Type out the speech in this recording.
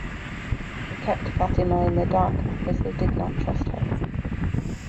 They kept Fatima in the dark because they did not trust her.